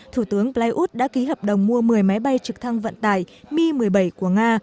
thủ tướng prayuth đã ký hợp đồng mua một mươi máy bay trực thăng vận tải mi một mươi bảy của nga